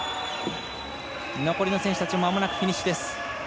残りの選手たちもフィニッシュです。